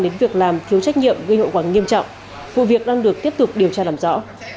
đến việc làm thiếu trách nhiệm gây hậu quả nghiêm trọng vụ việc đang được tiếp tục điều tra làm rõ